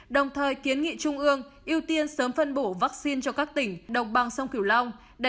đồng thời kiến nghị trung ương ưu tiên sớm phân bổ vaccine cho các tỉnh đồng bằng sông kiều long